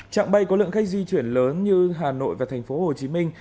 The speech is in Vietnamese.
trạng bay có lượng khách di chuyển lớn như hà nội và thành phố hồ chí minh